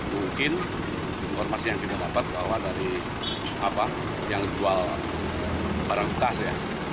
mungkin informasi yang kita dapat bahwa dari apa yang jual barang bekas ya